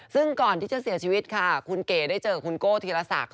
ซึ่งก่อนที่จะเสียชีวิตค่ะคุณเก๋ได้เจอคุณโก้ธีรศักดิ